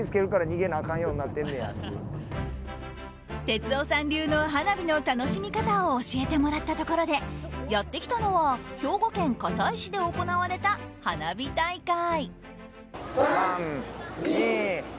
哲夫さん流の花火の楽しみ方を教えてもらったところでやってきたのは兵庫県加西市で行われた花火大会。